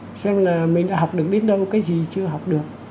rồi soi lại mình xem là mình đã học được đến đâu cái gì chưa học được